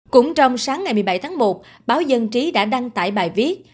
cũng trong sáng ngày một mươi bảy tháng một báo dân trí đã đăng tải bài viết